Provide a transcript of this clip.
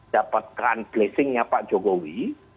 dapatkan blessing nya pak jokowi